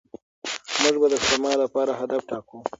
موږ به د سپما لپاره هدف ټاکو.